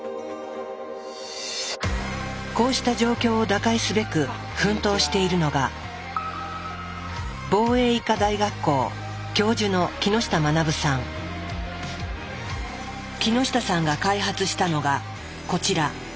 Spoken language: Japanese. こうした状況を打開すべく奮闘しているのが木下さんが開発したのがこちら。